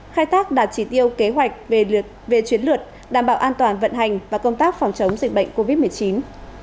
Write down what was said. khai tác đạt chỉ tiêu kế hoạch về chuyến lượt đảm bảo an toàn vận hành và công tác phòng chống dịch bệnh covid một mươi chín